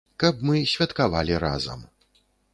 Каб мы святкавалі разам.